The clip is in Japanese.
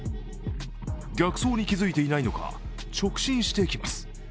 逆走に気づいていないのか直進してきます。